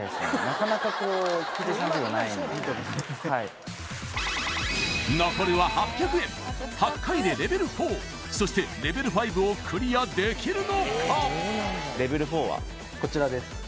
なかなかこう告知したこともないんで残るは８００円８回でレベル４そしてレベル５をクリアできるのかレベル４はこちらです